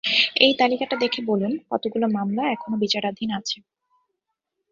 এই তালিকাটা দেখে বলুন কতগুলো মামলা এখনও বিচারাধীন আছে।